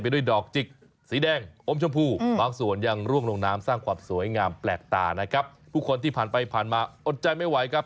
ดอกไม้บนต้นว่า